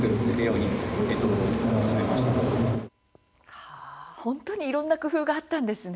はあ本当にいろんな工夫があったんですね。